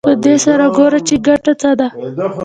په دې سره ګورو چې ګټه څه ده